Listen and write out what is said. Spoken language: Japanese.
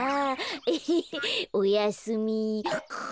エヘヘおやすみ。